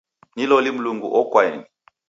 Ni loli Mlungu okwaeni.